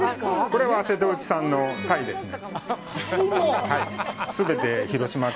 これは瀬戸内産のタイですね。